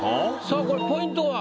これポイントは？